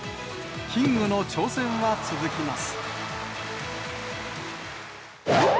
キングの挑戦は続きます。